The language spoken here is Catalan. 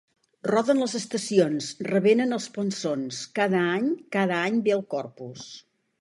Roden les estacions, revenen els plançons: cada any, cada any ve el Corpus.